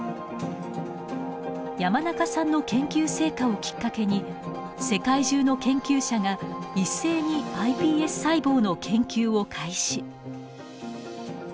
山中さんの研究成果をきっかけに世界中の研究者が一斉にｉＰＳ細胞の研究を開始。